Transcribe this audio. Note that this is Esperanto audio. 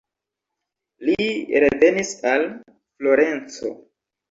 Li revenis al Florenco.